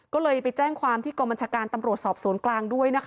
ก็เลยไปแจ้งความที่กรมจาการตำรวจสอบศูนย์กลางด้วย